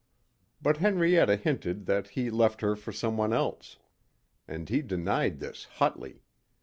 But Henrietta hinted that he left her for someone else. And he denied this hotly.